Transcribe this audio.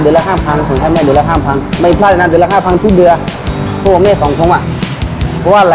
เดือนเรือส่งให้แม่ส่ง๒เดือนส่งทั้ง๒เดือน